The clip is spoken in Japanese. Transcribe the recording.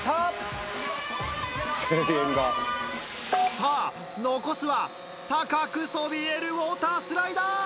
さぁ残すは高くそびえるウォータースライダー！